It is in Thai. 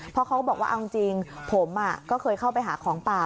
เพราะเขาก็บอกว่าเอาจริงผมก็เคยเข้าไปหาของป่า